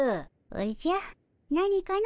おじゃ何かの？